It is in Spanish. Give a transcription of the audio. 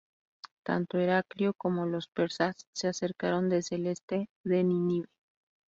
Tanto Heraclio como los persas se acercaron desde el este de Nínive.